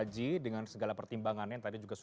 ya tentu secara prinsip